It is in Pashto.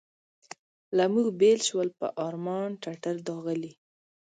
له موږ بېل شول په ارمان ټټر داغلي.